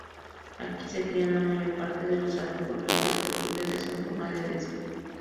Aquí se crían la mayor parte de los alcornoques portugueses, en forma de dehesa.